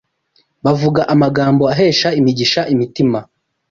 Bavuga amagambo ahesha imigisha imitima